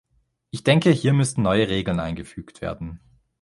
Ich denke, hier müssten neue Regeln eingefügt werden.